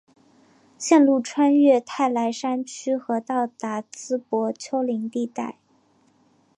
线路穿越泰莱山区和到达淄博丘陵地带。